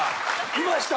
いました。